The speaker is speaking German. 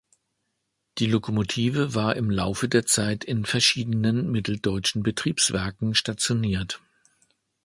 Die Lokomotive war im Laufe der Zeit in verschiedenen mitteldeutschen Betriebswerken stationiert.